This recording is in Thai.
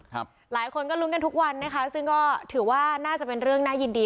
หลายคนก็ลุ้นกันทุกวันนะคะซึ่งก็ถือว่าน่าจะเป็นเรื่องน่ายินดี